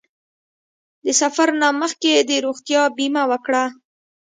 د سفر نه مخکې د روغتیا بیمه وکړه.